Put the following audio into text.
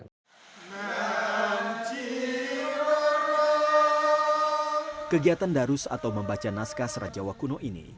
kegiatan darus atau membaca naskah serat jawa kuno ini